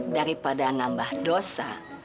daripada nambah dosa